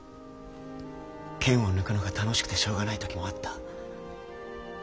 剣を抜くのが楽しくてしょうがない時もあった。